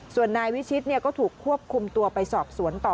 ส่วนนายวิชิตก็ถูกควบคุมตัวไปสอบสวนต่อ